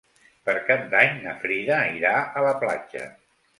Per Cap d'Any na Frida irà a la platja.